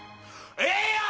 ええやん！